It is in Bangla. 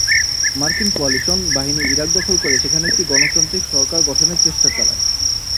মার্কিন কোয়ালিশন বাহিনী ইরাক দখল করে সেখানে একটি গণতান্ত্রিক সরকার গঠনের চেষ্টা চালায়।